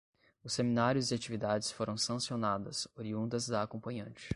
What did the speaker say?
Os seminários e atividades foram sancionadas, oriundas da acompanhante